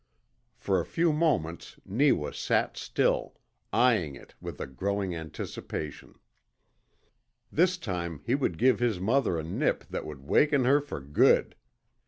For a few moments Neewa sat still, eyeing it with a growing anticipation. This time he would give his mother a nip that would waken her for good!